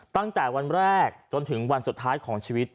ตั้งแต่วันแรกจนถึงวันสุดท้ายของชีวิต